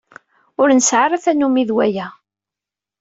Ur nesɛi ara tanumi d waya.